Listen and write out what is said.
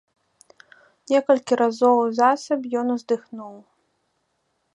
Некалькі разоў засаб ён уздыхнуў.